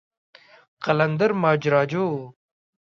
قلندر ماجراجو و.